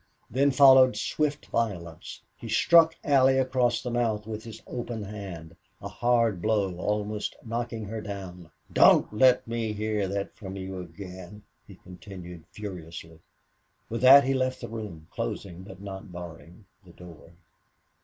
Then followed swift violence. He struck Allie across the mouth with his open hand, a hard blow, almost knocking her down. "Don't let me hear that from you again!" he continued, furiously. With that he left the room, closing but not barring the door.